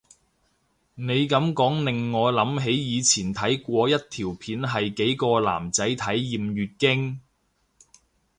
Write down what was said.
你噉講令我諗起以前睇過一條片係幾個男仔體驗月經